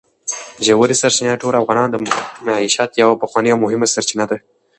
ژورې سرچینې د ټولو افغانانو د معیشت یوه پخوانۍ او مهمه سرچینه ده.